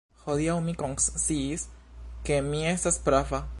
Hodiaŭ mi konsciis, ke mi estas prava!